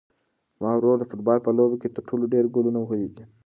زما ورور د فوټبال په لوبه کې تر ټولو ډېر ګولونه وهلي دي.